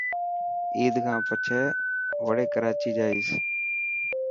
عيد کان پڇي وڙي ڪراچي جائيس.